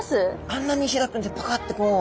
あんなに開くんですパカッとこう。